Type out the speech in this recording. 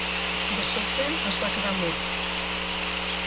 De sobte es va quedar mut.